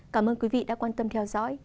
cảm ơn quý vị đã quan tâm theo dõi